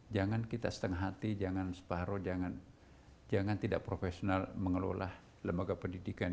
jangan kita setengah hati jangan separoh jangan tidak profesional mengelola lembaga pendidikan